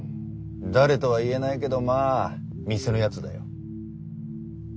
誰とは言えないけどまあ店のヤツだよ。